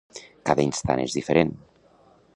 Cada instant és diferent.